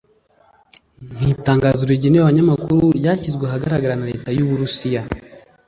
Mu itangazo rigenewe abanyamakuru ryashyizwe ahagaragara na Leta y’u Burusiya